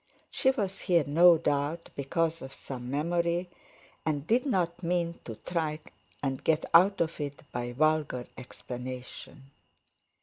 She was here no doubt because of some memory, and did not mean to try and get out of it by vulgar explanation.